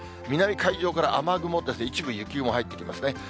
南海上から雨雲ですね、一部、雪雲入ってきますね。